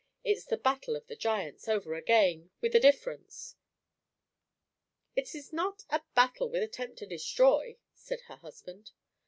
It's the battle of the giants over again, with a difference." "It is not a battle with attempt to destroy," said her husband.